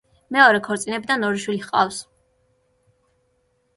მეორე ქორწინებიდან ორი შვილი ჰყავს.